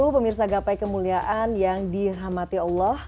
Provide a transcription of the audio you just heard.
pemirsa gapai kemuliaan yang dirahmati allah